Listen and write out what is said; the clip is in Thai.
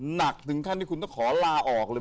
หนักถึงขั้นที่คุณต้องขอลาออกเลย